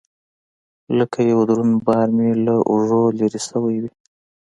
لكه يو دروند بار مې له اوږو لرې سوى وي.